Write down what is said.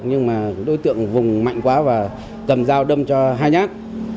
nhưng mà đối tượng vùng mạnh quá và cầm dao đâm cho hai nhát